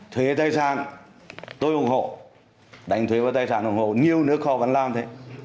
thuế tài sản tôi ủng hộ đánh thuế vào tài sản ủng hộ nhiều nước họ vẫn làm thế